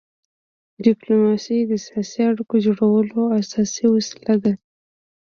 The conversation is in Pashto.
ډيپلوماسي د سیاسي اړیکو جوړولو اساسي وسیله ده.